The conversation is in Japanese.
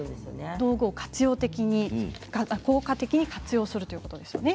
道具を効果的に活用するということですよね。